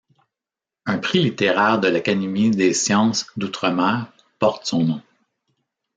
Un prix littéraire de l'Académie des sciences d'outre-mer porte son nom.